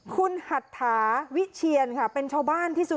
คุณหัตถาวิเชียนค่ะเป็นชาวบ้านที่สุด